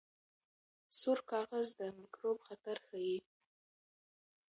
سور کاغذ د میکروب خطر ښيي.